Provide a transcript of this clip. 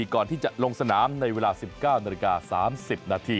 ก่อนที่จะลงสนามในเวลา๑๙น๓๐น